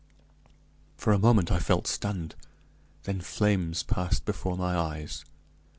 For a moment I felt stunned; then flames passed before my eyes.